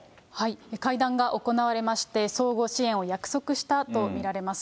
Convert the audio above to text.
会談が行われまして、相互支援を約束したと見られます